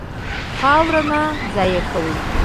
خاوره مه ضایع کوئ.